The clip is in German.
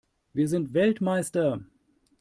Wir sind Weltmeister!